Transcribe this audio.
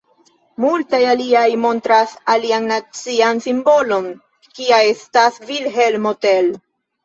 Multaj aliaj montras alian nacian simbolon kia estas Vilhelmo Tell.